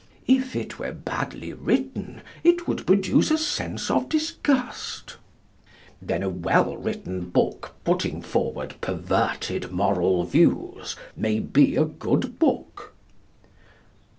If it were badly written it would produce a sense of disgust. Then a well written book putting forward perverted moral views may be a good book?